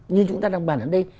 như chúng ta đang bàn ở đây